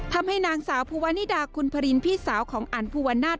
ทำให้นางสาวภูวานิดาคุณพรินพี่สาวของอันภูวนาศ